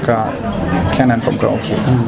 ก็แค่นั้นผมก็โอเค